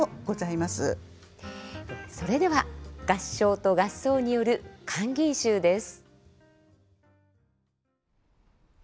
それでは「合唱と合奏による閑吟集」です。